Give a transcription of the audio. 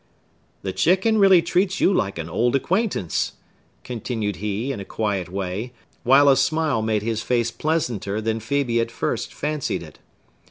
"The chicken really treats you like an old acquaintance," continued he in a quiet way, while a smile made his face pleasanter than Phœbe at first fancied it.